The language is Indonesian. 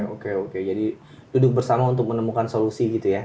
oke oke jadi duduk bersama untuk menemukan solusi gitu ya